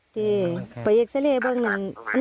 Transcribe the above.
ดีไปอีกเสร็จบ้าง